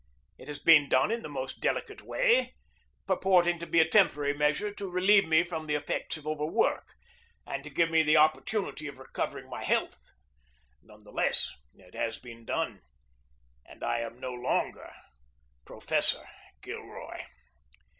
It has been done in the most delicate way, purporting to be a temporary measure to relieve me from the effects of overwork, and to give me the opportunity of recovering my health. None the less, it has been done, and I am no longer Professor Gilroy.